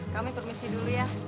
kami permisi dulu ya